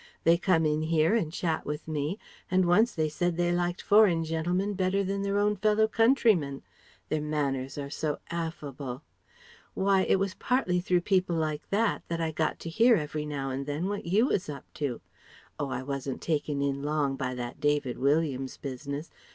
They come in here and chat with me, and once they said they liked foreign gentlemen better than their own fellow countrymen: 'their manners are so affable.' Why it was partly through people like that, that I got to hear every now and then what you was up to. Oh, I wasn't taken in long by that David Williams business.